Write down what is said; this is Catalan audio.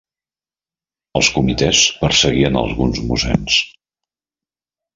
Els Comitès perseguien alguns mossens.